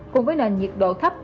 cùng với nền nhiệt độ thấp